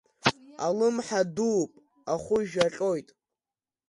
Алымҳа дууп, ахәыжә аҟьоит.